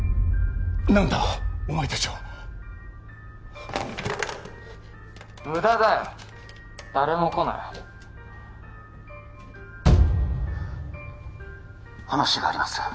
何だお前達は無駄だよ誰も来ない話があります